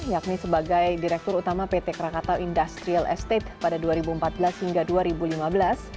yakni sebagai direktur utama pt krakatau industrial estate pada dua ribu empat belas hingga dua ribu lima belas